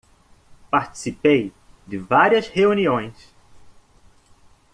Participei de várias reuniões